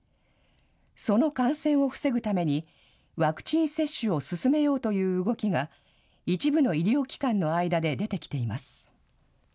その感染を防ぐために、ワクチン接種を進めようという動きが、一部の医療機関の間で出てきています。